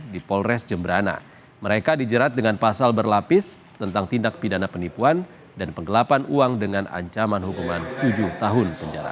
di polres jemberana mereka dijerat dengan pasal berlapis tentang tindak pidana penipuan dan penggelapan uang dengan ancaman hukuman tujuh tahun penjara